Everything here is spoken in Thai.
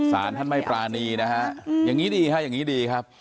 สารท่านไม่ปรานีนะฮะอย่างนี้ดีฮะอย่างนี้ดีครับ